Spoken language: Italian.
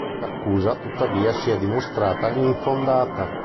L'accusa, tuttavia, si è dimostrata infondata.